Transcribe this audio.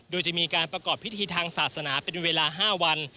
โดยจะมีการประกอบพิธีทางศาสนาเป็นเวลา๕วัน